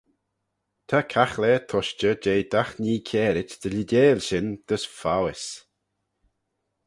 Ta caghlaa tushtey jeh dagh nhee kiarit dy leedeil shin dys foays.